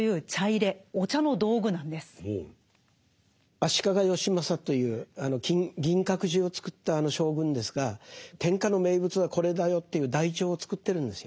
足利義政という銀閣寺をつくった将軍ですが天下の名物はこれだよという台帳を作ってるんですよ。